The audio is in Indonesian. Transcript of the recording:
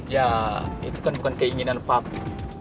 ya itu kan bukan keinginan pak be